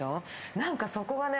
何かそこがね